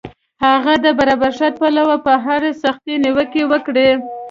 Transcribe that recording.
هغه د برابرښت پلور په اړه سختې نیوکې وکړې.